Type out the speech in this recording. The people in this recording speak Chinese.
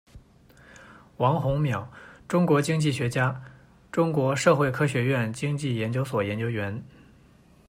王宏淼，中国经济学家，中国社会科学院经济研究所研究员。